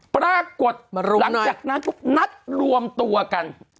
ปรากฏหลังจากนั้นทุกนัดรวมตัวกัน